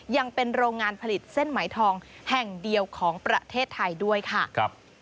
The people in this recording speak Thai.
ยังเป็นโรงงานผลิตเส้นไหมทองแห่งเดียวของประเทศไทยด้วยค่ะ